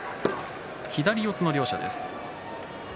左四つの両者です。